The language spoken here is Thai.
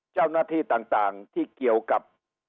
เจ้าหน้าที่ต่างที่เกี่ยวกับ